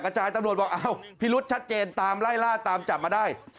จายตำรวจบอกอ้าวพิรุษชัดเจนตามไล่ล่าตามจับมาได้